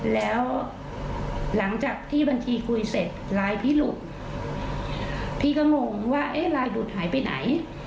แล้วหลังจากที่บัญชีคุยเสร็จไลน์พี่หลุดพี่ก็งงว่าเอ๊ะไลน์หลุดหายไปไหน